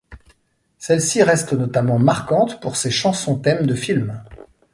Celle-ci reste notamment marquante pour ses chansons-thèmes de films.